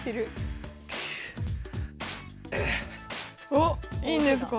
おっいいんですか？